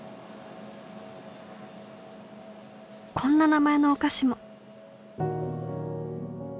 こんな名前のお菓子も。